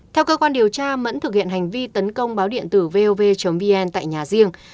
theo cơ quan điều tra mẫn thực hiện hành vi tấn công báo điện tử vov vn tại nhà riêng